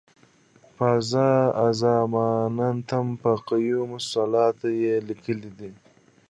"فاذا اظماننتم فاقیموالصلواته" یې لیکلی دی.